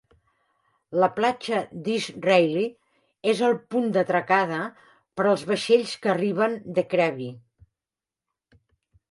La platja d'East Railay és el punt d'atracada per als vaixells que arriben de Krabi.